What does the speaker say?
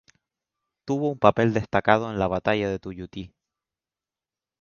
Tuvo un papel destacado en la batalla de Tuyutí.